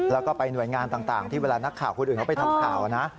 แล้วก็ไปหน่วยงานต่างที่เวลานักข่าวคนอื่นเขาไปทำข่าวนะ